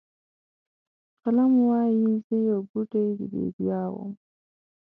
قلم وایي زه یو بوټی د بیدیا وم.